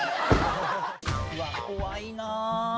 うわっ怖いな。